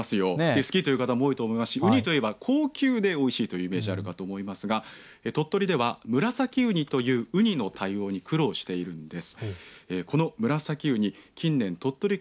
好きという方も多いと思いますしうには高級でおいしいとイメージがあるかと思いますが鳥取ではムラサキウニといううにの対応に苦労しているんです。